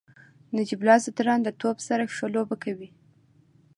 نجیب الله زدران د توپ سره ښه لوبه کوي.